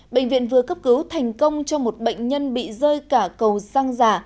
bệnh viện vừa cấp cứu thành công cho một bệnh nhân bị rơi cả cầu răng giả